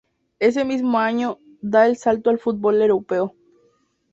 Ese mismo año, da el salto al fútbol europeo.